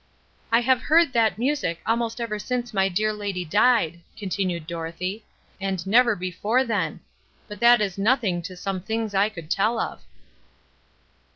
"I have heard that music almost ever since my dear lady died," continued Dorothée, "and never before then. But that is nothing to some things I could tell of."